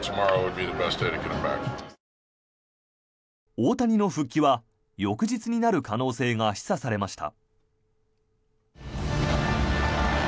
大谷の復帰は翌日になる可能性が示唆されました。